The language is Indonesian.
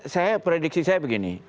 saya prediksi saya begini